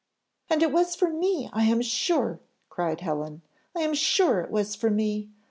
"And it was for me, I am sure," cried Helen, "I am sure it was for me!